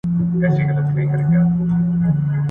د قرآن کريم په زده کړه سره د شيطان د دښمنۍ اسباب پيژندلای سو.